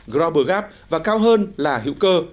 grover gap và cao hơn là hữu cơ